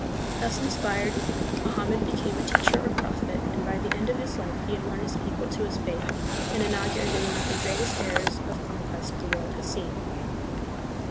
Thus inspired, Mo hammed became a teacher or prophet, and by the end of his life he had won his people to his faith and inaugurated one of the greatest eras of conquest the world has seen.